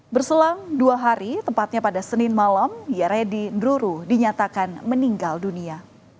berselang dua hari tepatnya pada senin malam yeredi nru dinyatakan meninggal dunia